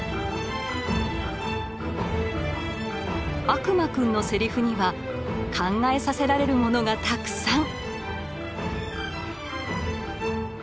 「悪魔くん」のセリフには考えさせられるものがたくさん。